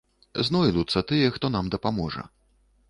Знойдуцца тыя, хто нам дапаможа.